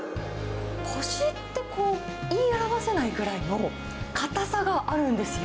こしってこう、言い表せないぐらいの硬さがあるんですよ。